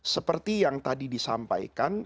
seperti yang tadi disampaikan